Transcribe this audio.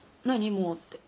もうって。